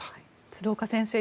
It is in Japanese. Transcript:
鶴岡先生